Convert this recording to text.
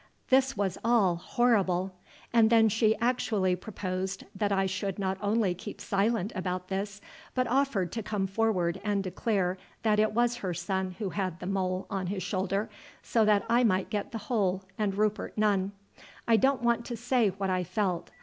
This was all horrible! And then she actually proposed that I should not only keep silent about this, but offered to come forward and declare that it was her son who had the mole on his shoulder, so that I might get the whole and Rupert none. I don't want to say what I felt.